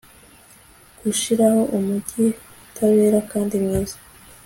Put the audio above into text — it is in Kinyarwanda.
Gushiraho umujyi utabera kandi mwiza